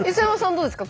どうですか？